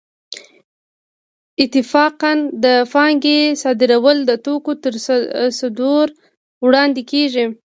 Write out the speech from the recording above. اتفاقاً د پانګې صادرول د توکو تر صدور وړاندې کېږي